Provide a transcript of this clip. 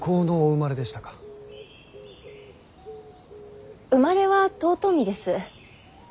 生まれは遠江です。